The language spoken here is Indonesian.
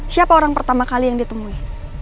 siapa orang pertama kali yang ditemui